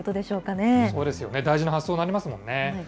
そうですよね、大事な発想になりますものね。